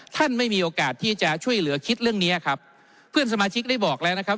ไม่มีโอกาสที่จะช่วยเหลือคิดเรื่องเนี้ยครับเพื่อนสมาชิกได้บอกแล้วนะครับ